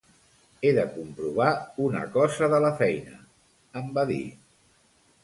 "He de comprovar una cosa de la feina", em va dir.